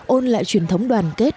ôn lại truyền thống đoàn kết